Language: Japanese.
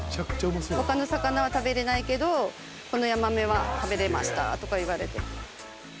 他の魚は食べられないけどこのヤマメは食べられましたとか言われて。